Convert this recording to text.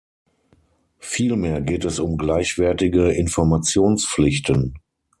Vielmehr geht es um gleichwertige Informationspflichten.